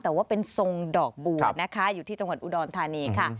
แต่ว่าเป็นทรงดอกบัวนะคะอยู่ที่จังหวัดอุดรธานีค่ะ